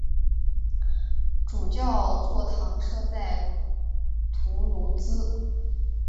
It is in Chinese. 主教座堂设在图卢兹。